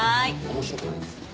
面白くないですから。